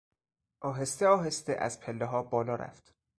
آهستهآهسته از پلهها بالا رفت.